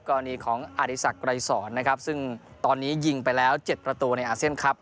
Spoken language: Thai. กรณีของนะครับซึ่งตอนนี้ยิงไปแล้วเจ็ดประตูในครับ